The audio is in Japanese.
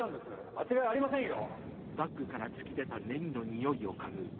間違いありませんよ。